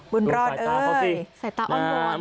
บุญรอดเอ้ยใส่ตาอ้อนว่อนค่ะ